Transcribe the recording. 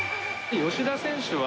吉田選手は。